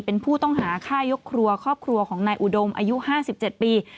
เป็นผู้ต้องหาฆ่ายกครัวครอบครัวของนายอุดมอายุ๕๗ปี